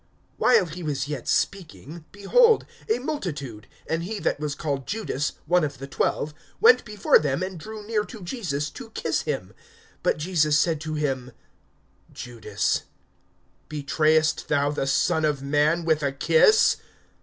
(47)While he was yet speaking, behold a multitude, and he that was called Judas, one of the twelve, went before them and drew near to Jesus to kiss him. (48)But Jesus said to him: Judas, betrayest thou the Son of man with a kiss?